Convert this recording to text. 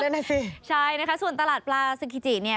นั่นน่ะสิใช่นะคะส่วนตลาดปลาซึกิจิเนี่ย